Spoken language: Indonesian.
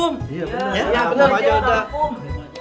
ya benar kamu saja kum